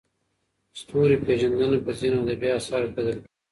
ستوري پېژندنه په ځینو ادبي اثارو کې لیدل کیږي.